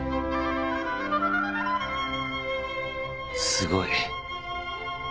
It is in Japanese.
すごい。